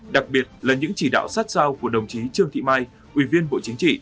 đặc biệt là những chỉ đạo sát sao của đồng chí trương thị mai ủy viên bộ chính trị